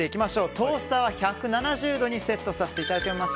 トースターは１７０度にセットさせていただきます。